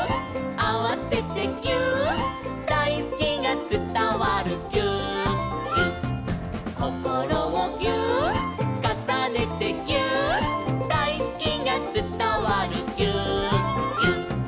「あわせてぎゅーっ」「だいすきがつたわるぎゅーっぎゅっ」「こころをぎゅーっ」「かさねてぎゅーっ」「だいすきがつたわるぎゅーっぎゅっ」